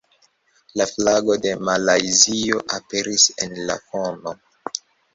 La flago de Malajzio aperis en la fono.